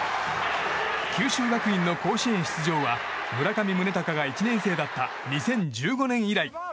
九州学院の甲子園出場は村上宗隆が１年生だった２０１５年以来。